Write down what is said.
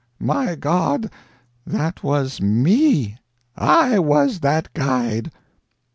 My God, that was ME. I was that guide!"